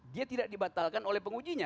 dia tidak dibatalkan oleh pengujinya